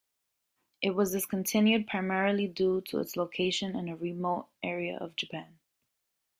It was discontinued primarily due to its location in a remote area of Japan.